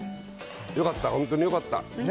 よかった、本当によかった。